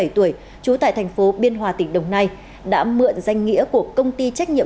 ba mươi tuổi trú tại thành phố biên hòa tỉnh đồng nai đã mượn danh nghĩa của công ty trách nhiệm